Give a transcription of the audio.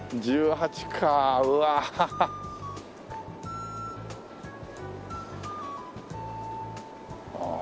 １８かあ。